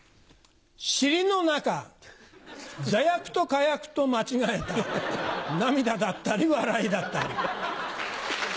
尻の中座薬と火薬と間違えた涙だったり笑いだったり。